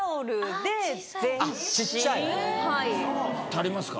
足りますか？